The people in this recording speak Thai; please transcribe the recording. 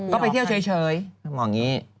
ก็ไปเที่ยวเฉยบอกอย่างนี้